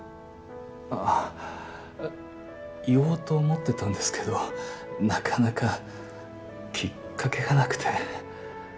ああ言おうと思ってたんですけどなかなかきっかけがなくて。